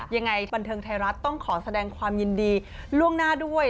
ยังไงบันเทิงไทยรัฐต้องขอแสดงความยินดีล่วงหน้าด้วย